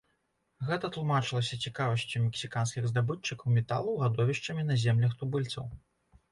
Гэта тлумачылася цікавасцю мексіканскіх здабытчыкаў металаў радовішчамі на землях тубыльцаў.